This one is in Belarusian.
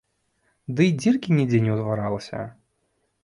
Дый дзіркі нідзе не ўтварылася.